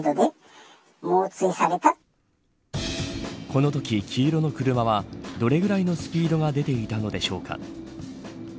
このとき黄色の車はどれぐらいのスピードが出ていたのでしょうか。